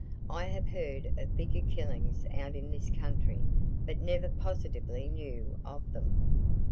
I have heard of bigger killings out in this country, but never positively knew of them."